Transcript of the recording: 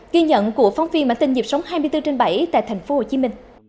ghi nhận của phóng viên bản tin dịp sống hai mươi bốn trên bảy tại tp hcm